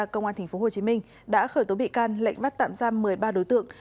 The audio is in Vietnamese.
cơ quan cảnh sát điều tra công an tp hcm đã khởi tố bị can lệnh bắt tạm giam một mươi ba đối tượng